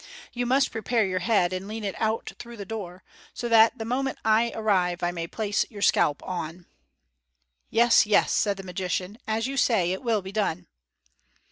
You must prepare your head, and lean it out through the door, so that the moment I arrive I may place your scalp on." "Yes, yes," said the magician. "As you say it will be done."